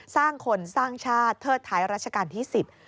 สร้างคนสร้างชาติเทิดท้ายรัชกาลที่๑๐